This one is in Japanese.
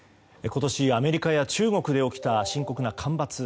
今年、アメリカや中国で起きた深刻な干ばつ。